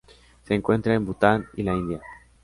Se encuentra en Bután y la India.